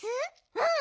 うん！